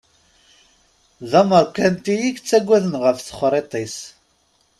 D ameṛkanti i yettagaden ɣef texṛiḍt-is.